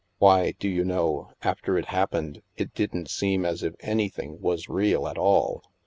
Why, do you know, after it happened, it didn't seem as if anything was real at all.